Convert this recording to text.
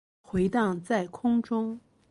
回荡在空中